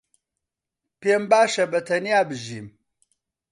پێم باشە بەتەنیا بژیم.